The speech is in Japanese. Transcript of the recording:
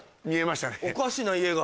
見えましたね。